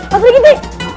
pak sri kiti